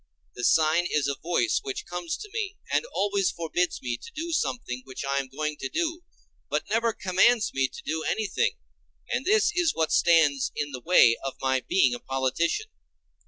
The sign is a voice which comes to me and always forbids me to do something which I am going to do, but never commands me to do anything, and this is what stands in the way of my being a politician.